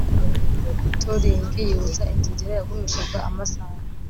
Tolling yibutsa inzogera yagumishaga amasaha